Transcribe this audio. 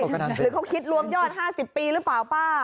หรือเขาคิดรวมยอด๕๐ปีหรือเปล่าป้า